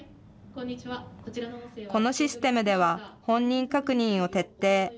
このシステムでは、本人確認を徹底。